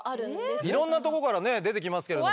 いろんなとこからね出てきますけれども。